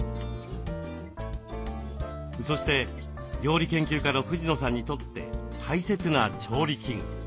そして料理研究家の藤野さんにとって大切な調理器具。